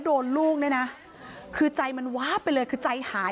พระเจ้าที่อยู่ในเมืองของพระเจ้า